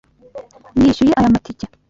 Nishyuye aya matike.